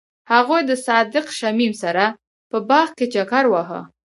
هغوی د صادق شمیم سره په باغ کې چکر وواهه.